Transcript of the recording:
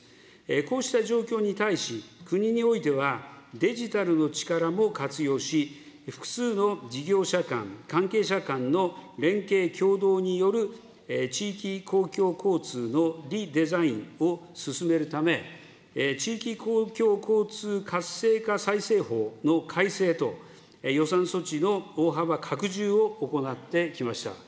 こうした状況に対し、国においてはデジタルの力も活用し、複数の事業者間、関係者間の連携、協働による地域公共交通のリデザインを進めるため、地域公共交通活性化再生法の改正と、予算措置の大幅拡充を行ってきました。